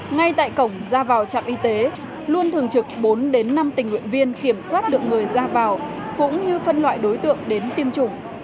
ngay tại cổng ra vào trạm y tế luôn thường trực bốn đến năm tình nguyện viên kiểm soát được người ra vào cũng như phân loại đối tượng đến tiêm chủng